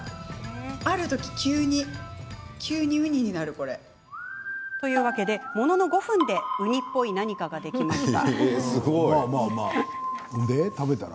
ある時、急にというわけで、ものの５分でウニっぽい何かができました。